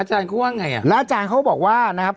อาจารย์เขาว่าไงอ่ะแล้วอาจารย์เขาบอกว่านะครับ